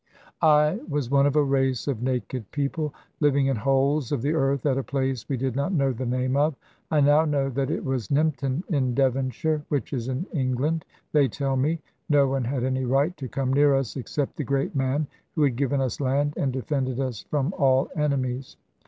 "I was one of a race of naked people, living in holes of the earth at a place we did not know the name of. I now know that it was Nympton in Devonshire, which is in England, they tell me. No one had any right to come near us, except the great man who had given us land, and defended us from all enemies.